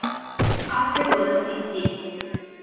Afterwards It Did.